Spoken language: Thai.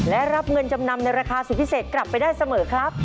และรับเงินจำนำในราคาสุดพิเศษกลับไปได้เสมอครับ